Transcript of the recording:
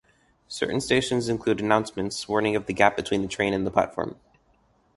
Certain stations include announcements warning of the gap between the train and platform.